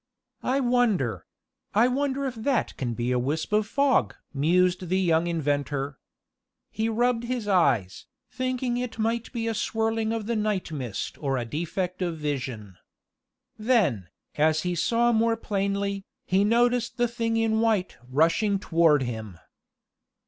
"I wonder I wonder if that can be a wisp of fog?" mused the young inventor. He rubbed his eyes, thinking it might be a swirling of the night mist or a defect of vision. Then, as he saw more plainly, he noticed the thing in white rushing toward him.